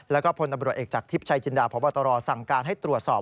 แล้วก็พลตำรวจเอกจากทิพย์ชัยจินดาพบตรสั่งการให้ตรวจสอบ